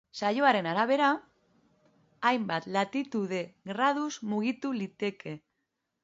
Sasoiaren arabera, hainbat latitude-graduz mugitu liteke.